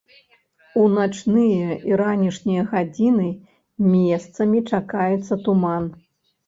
У начныя і ранішнія гадзіны месцамі чакаецца туман.